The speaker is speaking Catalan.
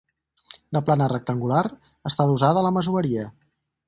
De planta rectangular, està adossada a la masoveria.